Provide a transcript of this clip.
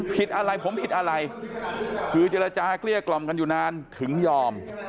ผิดอะไรผมผิดอะไรคือเจรจาเกลี้ยกล่อมกันอยู่นานถึงยอม